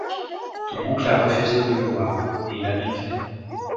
Ton oncle a refusé de le voir… et il a bien fait.